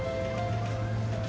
liever seberang puasa